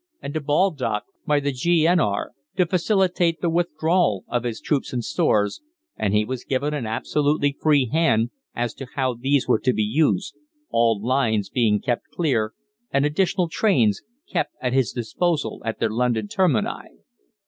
and to Baldock by the G.N.R., to facilitate the withdrawal of his troops and stores, and he was given an absolutely free hand as to how these were to be used, all lines being kept clear and additional trains kept at his disposal at their London termini.